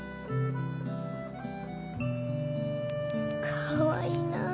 かわいいなあ。